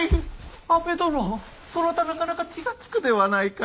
安部殿そなたなかなか気が利くではないか。